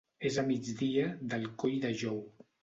És a migdia del Coll de Jou.